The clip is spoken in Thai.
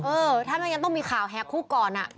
เออถ้างั้นยังต้องมีข่าวแฮกคู่ก่อนอะ